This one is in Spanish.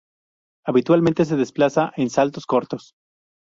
Habitualmente se desplaza en saltos cortos.